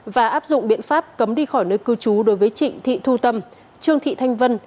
và áp dụng biện pháp cấm đi khỏi nơi cư trú đối với trịnh thị thu tâm trương thị thanh vân